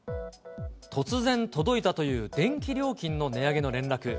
突然届いたという電気料金の値上げの連絡。